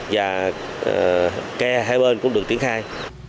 và kè hai bên cũng được tiến khai